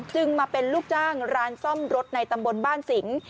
จึงมาเป็นลูกจ้างร้านซ่อมรถในตำบลบ้านสิง